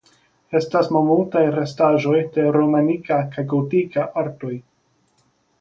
Estas malmultaj restaĵoj de romanika kaj gotika artoj.